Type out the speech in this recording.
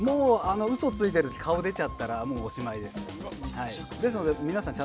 嘘ついている時顔出ちゃったらおしまいです。